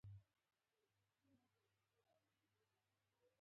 د مفصلونو د درد د دوام لپاره د روماتیزم ټسټ وکړئ